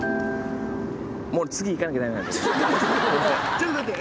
ちょっと待って。